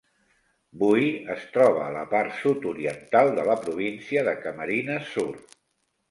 Buhi es troba a la part sud-oriental de la província de Camarines Sur.